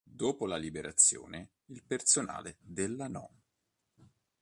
Dopo la liberazione, il personale della No.